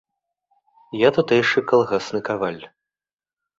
Я тутэйшы калгасны каваль.